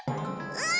うん。